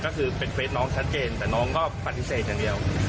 ก็คือเป็นเฟสน้องชัดเจนแต่น้องก็ปฏิเสธอย่างเดียว